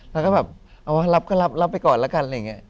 แล้วก็แบบเอาว่ารับก็รับไปก่อนแล้วกันอะไรอย่างนี้